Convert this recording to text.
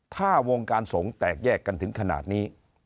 ถ้าวงการสงฆ์แตกแยกกันถึงขนาดนี้